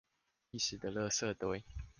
歷史的垃圾堆